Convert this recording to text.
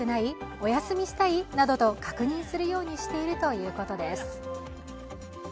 お休みしたい？などと確認するようにしているということです。